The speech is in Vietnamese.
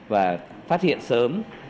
và phát hiện sớm